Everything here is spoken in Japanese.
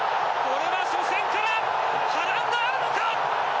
これは初戦から波乱があるのか？